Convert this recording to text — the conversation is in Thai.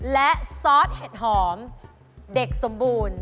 และซอสเห็ดหอมเด็กสมบูรณ์